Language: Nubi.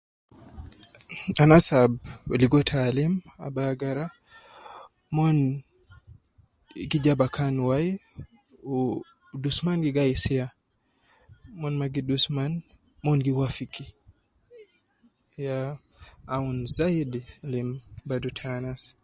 Anas al logo taalim , abu agara umon gi ja bakan wayi. Uuuu dusman gi gayi siya , umon gi dusman mma, umon gi wafiki, ya awun zayidi lim ta anas.